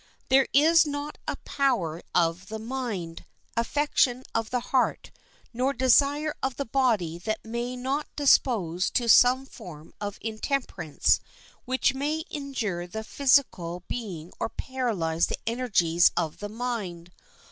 There is not a power of the mind, affection of the heart, nor desire of the body that may not dispose to some form of intemperance which may injure the physical being or paralyze the energies of the mind.